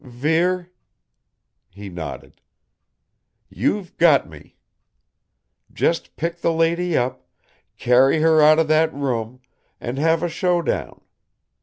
"Vere?" He nodded. "You've got me! Just pick the lady up, carry her out of that room, and have a show down.